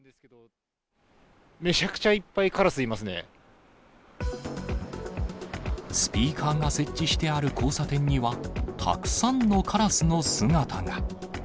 めちゃくちゃいっぱいカラススピーカーが設置してある交差点には、たくさんのカラスの姿が。